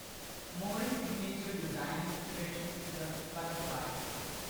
Mori signature design inspiration is the butterfly.